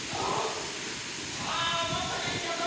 さあもっとげんきよく！